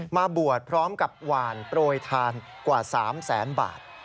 มาบวชพร้อมกับหวานโปรยทานกว่า๓แสนบาท